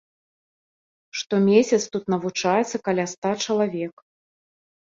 Штомесяц тут навучаецца каля ста чалавек.